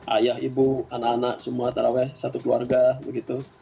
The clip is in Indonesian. ayah ibu anak anak semua taraweh satu keluarga begitu